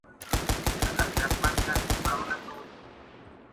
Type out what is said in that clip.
هر یوه چي مي په مخ کي پورته سر کړ٫